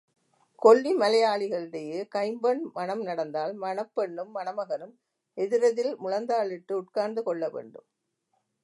கொல்லி மலையாளிகளிடையே கைம்பெண் மணம் நடந்தால் மணப் பெண்ணும் மணமகனும் எதிரெதிரில் முழந்தாளிட்டு உட்கார்ந்து கொள்ள வேண்டும்.